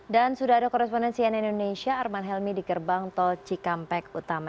dan sudah ada koresponensi dari indonesia arman helmi di gerbang tol cikampek utama